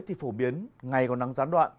thì phổ biến ngày còn nắng gián đoạn